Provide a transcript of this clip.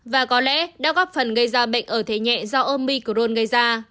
và có lẽ đã góp phần gây ra bệnh ở thế nhẹ do omicron gây ra